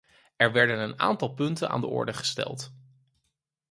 Er werden een aantal punten aan de orde gesteld.